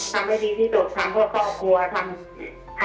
ทำให้ดีที่สุดทำเพราะพ่อครัว